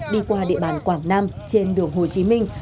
đi qua địa bàn quảng nam trên đường hồ chí minh